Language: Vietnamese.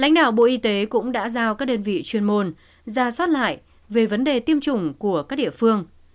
lãnh đạo bộ y tế cũng đã giao các đơn vị chuyên môn ra soát lại về vấn đề tiêm chủng của các địa phương